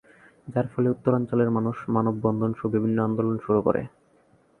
যার ফলে উত্তরাঞ্চলের মানুষ মানব-বন্ধনসহ বিভিন্ন আন্দোলন শুরু করে।